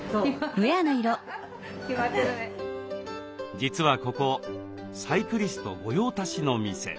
実はここサイクリスト御用達の店。